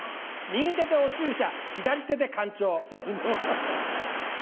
右手でお注射左手でかん腸。